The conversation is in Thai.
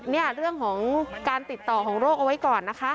เนี่ยเรื่องของการติดต่อของโรคเอาไว้ก่อนนะคะ